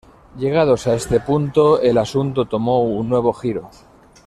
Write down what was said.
Llegados a este punto, el asunto tomó un nuevo giro.